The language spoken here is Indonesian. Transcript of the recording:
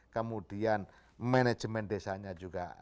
kemudian manajemen desanya juga